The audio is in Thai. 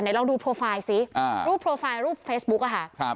ไหนลองดูโปรไฟล์ซิอ่ารูปโปรไฟล์รูปเฟสบุ๊คอ่ะฮะครับ